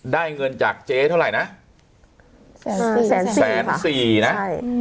ได้เงินจักรเจ๊เท่าไรนะแสนสี่ค่ะแสนสี่แสนสี่ค่ะใช่ขนสัก